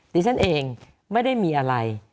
ดิฉันเองไม่ได้มีอะไร